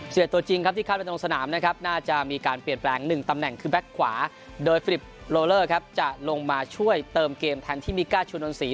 เสียดตัวจริงที่เข้าไปตรงสนามน่าจะมีการเปลี่ยนแปลง๑ตำแหน่งขึ้นแปลงขวาโดยฟิลิปโรลเลอร์จะลงมาช่วยเติมเกมแทนที่มีก้าชูนอนศรี